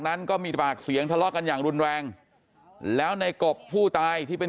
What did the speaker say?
นั้นก็มีปากเสียงทะเลาะกันอย่างรุนแรงแล้วในกบผู้ตายที่เป็น